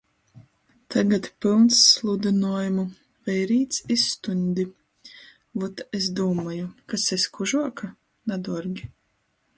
Tagad pylns sludynuojumu "Veirīts iz stuņdi"... Vot es dūmoju, kas es kužuoka? naduorgi...